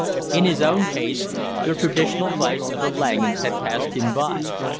In his own case the traditional vice of the Langhams had passed him by.